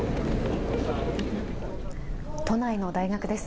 都内の大学です。